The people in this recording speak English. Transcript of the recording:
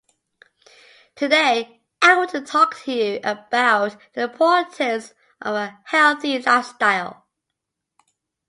Today, I want to talk to you about the importance of a healthy lifestyle.